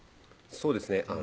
そうですね